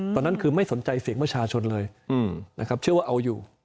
ตอนนั้นคือไม่สนใจเสียงประชาชนเลยนะครับเชื่อว่าเอาอยู่